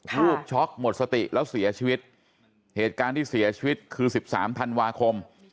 ช็อกหมดสติแล้วเสียชีวิตเหตุการณ์ที่เสียชีวิตคือ๑๓ธันวาคม